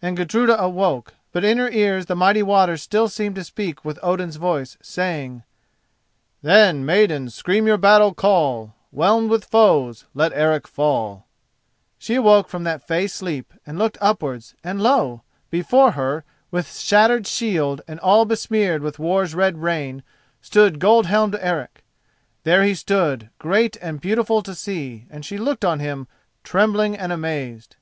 And Gudruda awoke, but in her ears the mighty waters still seemed to speak with Odin's voice, saying: "Then, Maidens, scream your battle call; Whelmed with foes, let Eric fall!" She awoke from that fey sleep, and looked upwards, and lo! before her, with shattered shield and all besmeared with war's red rain, stood gold helmed Eric. There he stood, great and beautiful to see, and she looked on him trembling and amazed.